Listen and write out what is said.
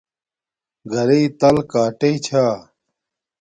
گھرݵ تل کاٹݵ چھا